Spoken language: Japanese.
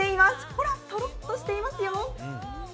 ほら、とろっとしていますよ。